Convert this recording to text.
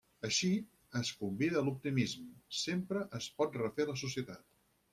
Així, es convida a l'optimisme: sempre es pot refer la societat.